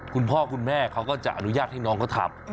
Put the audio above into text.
คุณพ่อคุณแม่เขาก็จะอนุญาตให้น้องเขาทำ